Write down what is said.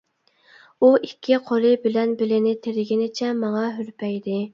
ئۇ ئىككى قولى بىلەن بىلىنى تىرىگىنىچە ماڭا ھۈرپەيدى.